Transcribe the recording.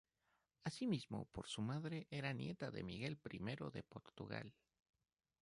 Así mismo por su madre era nieta de Miguel I de Portugal.